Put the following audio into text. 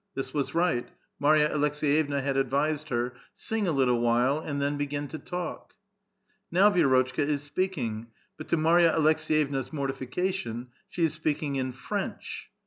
This was right ; Marya Aleks^ yevna had advised her: "Sing a little while, and then begin to talk." Now Vi^rotchka is speaking, but to Marya Aleks^yevna's mortification she is speaking in French.